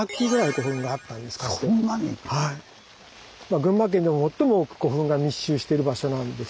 群馬県でも最も多く古墳が密集してる場所なんです。